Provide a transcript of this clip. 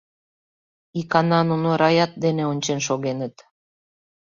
Икана нуно Раят дене ончен шогеныт.